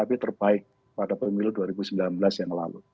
dan itu yang terbaik pada pemilu dua ribu sembilan belas yang lalu